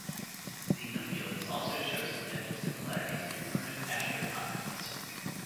Xenungulates also show some dental similarity to primitive astrapotheres.